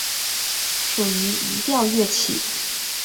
属于移调乐器。